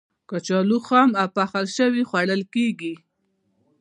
کچالو خام او پخلی شوی خوړل کېږي.